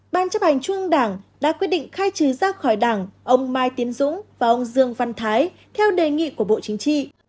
ban chấp ảnh chuông đảng đã quyết định khai trừ ra khỏi đảng ông mai tiến dũng và ông dương văn thái theo đề nghị của bộ chính trị